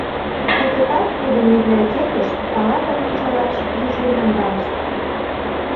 Кызытат тудым библиотекыш, салатым ончалаш, ӱжын наҥгайышт.